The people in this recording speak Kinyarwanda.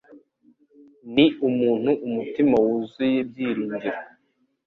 Ni umuntu umutima wuzuye ibyiringiro.